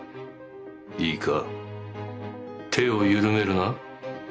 いいか手を緩めるな。